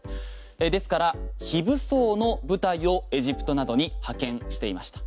ですから非武装の部隊をエジプトなどに派遣していました。